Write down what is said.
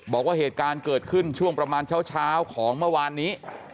บอกว่าเหตุการณ์เกิดขึ้นช่วงประมาณเช้าของเมื่อวานนี้